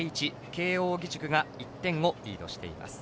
慶応義塾が１点をリードしています。